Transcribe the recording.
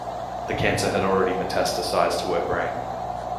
The cancer had already metastasized to her brain.